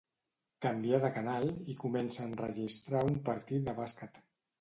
Canvia de canal i comença a enregistrar un partit de bàsquet.